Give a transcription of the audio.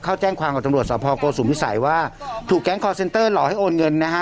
เขาแจ้งความกับตำรวจสภโกสุมพิสัยว่าถูกแก๊งคอร์เซ็นเตอร์หลอกให้โอนเงินนะฮะ